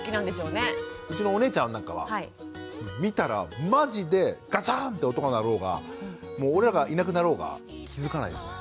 うちのお姉ちゃんなんかは見たらマジでガチャンって音が鳴ろうが俺らがいなくなろうが気付かないですね。